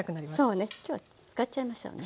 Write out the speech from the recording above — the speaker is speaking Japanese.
そうね今日は使っちゃいましょうね。